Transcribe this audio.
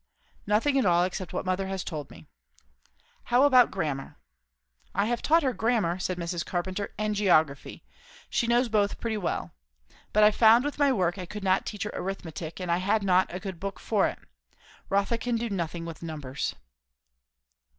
"Nothing at all; except what mother has told me." "How about grammar?" "I have taught her grammar," said Mrs. Carpenter; "and geography. She knows both pretty well. But I found, with my work, I could not teach her arithmetic; and I had not a good book for it. Rotha can do nothing with numbers."